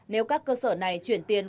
nếu các cơ sở này chuyển tiền